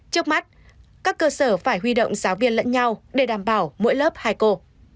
trước mắt các cơ sở phải huy động giáo viên lẫn nhau để đảm bảo mỗi lớp hai cô